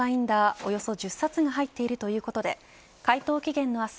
およそ１０冊が入っているということで回答期限の明日